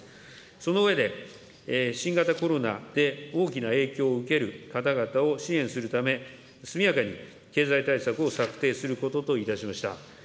その上で、新型コロナで大きな影響を受ける方々を支援するため、速やかに経済対策を策定することといたしました。